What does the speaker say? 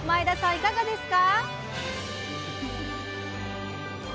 いかがですか？